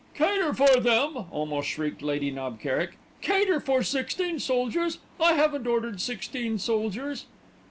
'" "Cater for them!" almost shrieked Lady Knob Kerrick. "Cater for sixteen soldiers! I haven't ordered sixteen soldiers."